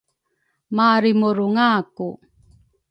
marimurungaku.